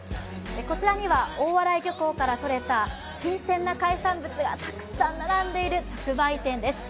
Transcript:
こちらには大洗漁港からとれた新鮮な海産物がたくさん並んでいる直売店です。